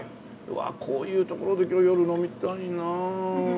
うわあこういう所で今日夜飲みたいなあ。